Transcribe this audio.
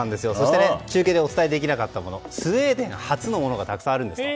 中継でお伝えできなかったスウェーデン発のものがたくさんあるんです。